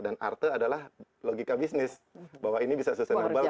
dan arte adalah logika bisnis bahwa ini bisa sustainable kalau ada